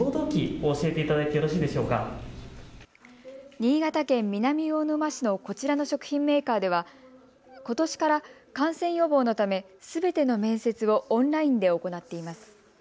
新潟県南魚沼市のこちらの食品メーカーではことしから感染予防のためすべての面接をオンラインで行っています。